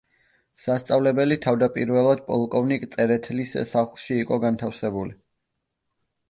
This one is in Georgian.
სასწავლებელი თავდაპირველად პოლკოვნიკ წერეთლის სახლში იყო განთავსებული.